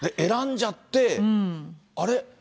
選んじゃって、あれ？